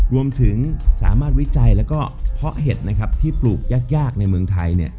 รวมถึงสามารถวิจัยและเพาะเห็ดที่ปลูกยากในเมืองไทย